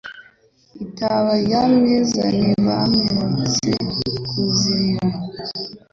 Itaba rya Mwiza ntibamwibutse kuzirira.